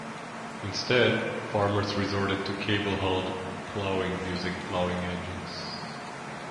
Instead, farmers resorted to cable-hauled ploughing using ploughing engines.